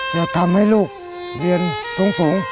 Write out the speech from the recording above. จะทำให้ลูกเรียนสูง